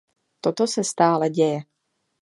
Toto se stále děje.